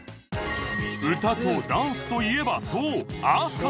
歌とダンスといえばそう飛鳥さん